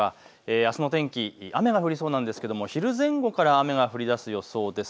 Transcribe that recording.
あすの天気、雨が降りそうなんですが昼前後から雨が降りだす予想です。